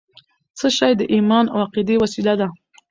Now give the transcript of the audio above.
څه شی د ایمان او عقیدې وسله ده؟